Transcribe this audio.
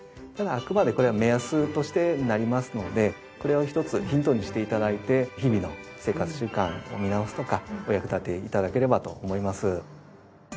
ただあくまでこれは目安としてになりますのでこれをひとつヒントにして頂いて日々の生活習慣を見直すとかお役立て頂ければと思います。